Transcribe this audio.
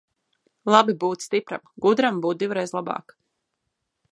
Labi būt stipram, gudram būt divreiz labāk.